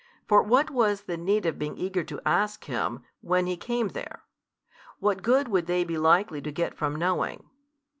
For what was the need of being eager to ask Him, when He came there? what good would they be likely to get from knowing?